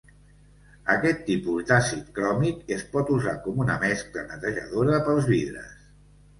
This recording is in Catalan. Aquest tipus d'àcid cròmic es pot usar com una mescla netejadora pels vidres.